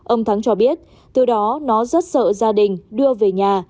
ông thắng cho biết từ đó nó rất sợ gia đình đưa về nhà